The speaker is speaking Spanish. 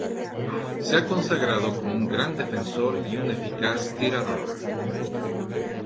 Se ha consagrado como un gran defensor y un eficaz tirador.